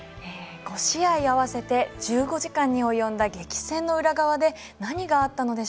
５試合合わせて１５時間に及んだ激戦の裏側で何があったのでしょうか？